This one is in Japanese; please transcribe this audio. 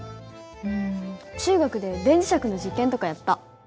うん中学で電磁石の実験とかやった。